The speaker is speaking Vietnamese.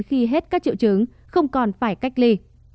khi hết các triệu chứng không còn phải cách ly